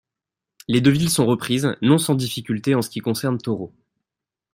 Les deux villes sont reprises, non sans difficulté en ce qui concerne Toro.